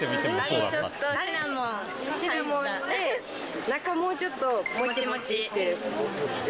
あれにちょっと、シナモンで、中、もうちょっともちもちしてる。